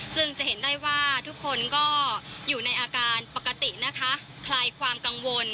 ซึ่งจะเห็นได้ว่าทุกคนก็อยู่ในอาการปกตินะคะคลายความกังวล